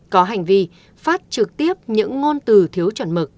có hành vi phát trực tiếp những ngôn từ thiếu chuẩn mực